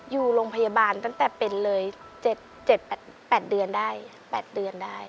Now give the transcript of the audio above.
อยู่โรงพยาบาลตั้งแต่เป็นเลย๗๘เดือนได้๘เดือนได้